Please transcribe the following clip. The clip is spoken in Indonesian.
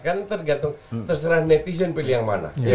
kan tergantung terserah netizen pilih yang mana